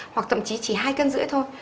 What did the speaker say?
hoặc thậm chí chỉ hai cân rưỡi thôi